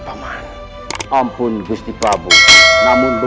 namun malam ini saya muitas memilih